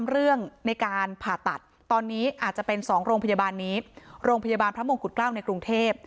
โรงพยาบาลนี้โรงพยาบาลพระมงขุดเกล้าในกรุงเทพฯ